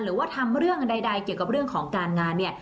หรือว่าทำเรื่องใดเกี่ยวกับเรื่องของการงานเนี่ย